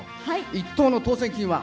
１等の当せん金は。